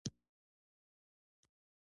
له یوې کړکۍ څخه مو د پنیرو یوې ټوټې ته وکتل.